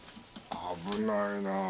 危ないなぁ。